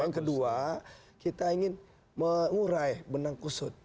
yang kedua kita ingin mengurai benang kusut